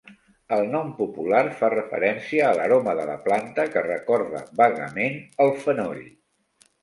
El nom popular fa referència a l'aroma de la planta que recorda vagament el fenoll.